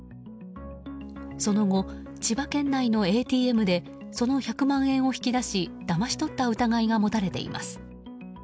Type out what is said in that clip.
その後、千葉県内のＡＴＭでその１００万円を引き出しだまし取った疑いが持たれています。